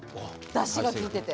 だしがきいてて。